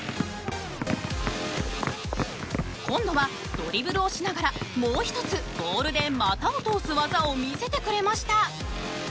今度はドリブルをしながらもう１つボールで股を通す技を見せてくれました。